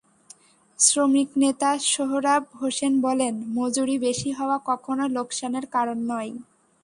শ্রমিকনেতা সোহরাব হোসেন বলেন, মজুরি বেশি হওয়া কখনো লোকসানের কারণ নয়।